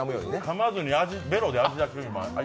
かまずに、ベロで味だけ。